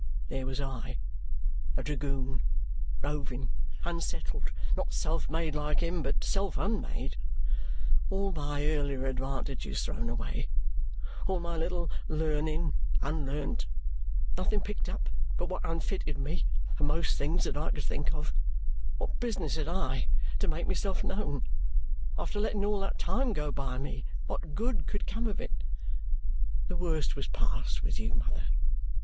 There was I a dragoon, roving, unsettled, not self made like him, but self unmade all my earlier advantages thrown away, all my little learning unlearnt, nothing picked up but what unfitted me for most things that I could think of. What business had I to make myself known? After letting all that time go by me, what good could come of it? The worst was past with you, mother.